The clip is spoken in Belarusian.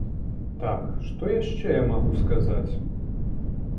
Так, што яшчэ я магу сказаць?